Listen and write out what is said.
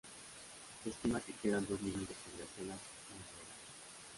Se estima que quedan dos millones de estas gacelas mongolas.